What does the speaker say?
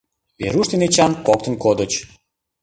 Веруш ден Эчан коктын кодыч.